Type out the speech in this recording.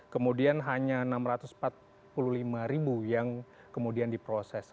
kemudian hanya enam ratus empat puluh lima ribu yang kemudian diproses